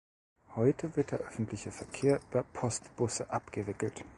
Heute wird der öffentliche Verkehr über Postbusse abgewickelt.